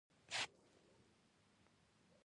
• د شپې دعا ته خاص ارزښت ورکړل شوی.